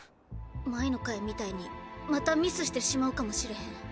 前の回みたいにまたミスしてしまうかもしれへん。